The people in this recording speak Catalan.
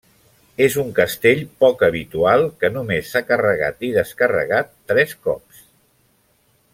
És un castell poc habitual, que només s'ha carregat i descarregat tres cops.